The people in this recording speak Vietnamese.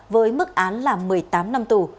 với mức án là một mươi tám năm tù